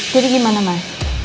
jadi gimana mas